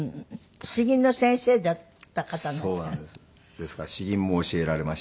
ですから詩吟も教えられまして。